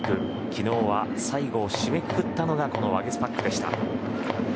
昨日は最後を締めくくったのがこのワゲスパックでした。